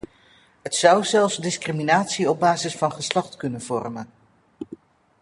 Het zou zelfs discriminatie op basis van geslacht kunnen vormen.